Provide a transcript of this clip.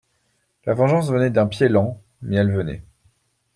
La vengeance venait d'un pied lent, mais elle venait.